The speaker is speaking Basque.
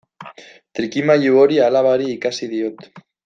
Trikimailu hori alabari ikasi diot.